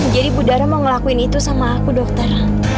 budara mau ngelakuin itu sama aku dokter